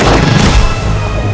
kau akan dihukum